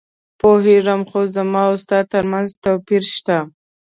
پوهېږم، خو زما او ستا ترمنځ توپیر شته.